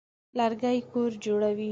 لرګي کور جوړوي.